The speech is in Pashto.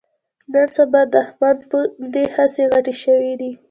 نن سبا د احمد پوندې هسې غټې شوې دي